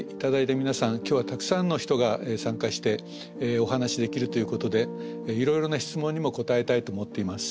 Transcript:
今日はたくさんの人が参加してお話できるということでいろいろな質問にも答えたいと思っています。